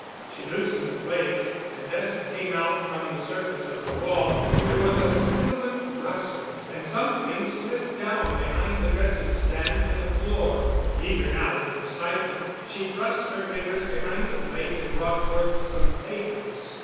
She loosened the plate and as it came out from the surface of the wall, there was a sibilant rustle and something slipped down behind the dressing stand to the floor. Eager now with excitement, she thrust her fingers behind the plate and brought forth some papers.